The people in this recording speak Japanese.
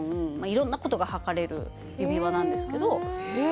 色んなことがはかれる指輪なんですけどえっ？